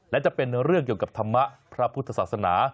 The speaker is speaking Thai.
และจะเป็นเรื่องเกี่ยวกับธรรมะพระพุทธศาสนา